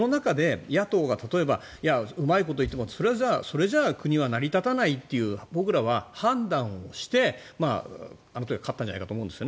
その中で野党が例えばうまいこといってもそれじゃ国は成り立たないという僕らは判断をしてあの時は勝ったんじゃないかと思うんです